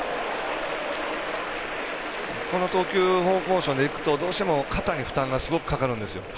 この投球モーションでいくとどうしても肩に負担がすごくかかるんですよ。